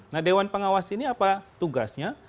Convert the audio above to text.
nah dewan pengawas ini apa tugasnya